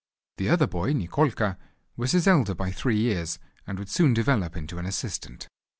The other boy Nikolka was his elder by three years, and would soon develop into an assistant.